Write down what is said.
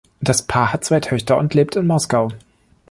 Das Paar hat zwei Töchter und lebt in Moskau.